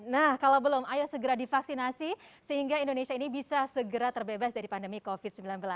nah kalau belum ayo segera divaksinasi sehingga indonesia ini bisa segera terbebas dari pandemi covid sembilan belas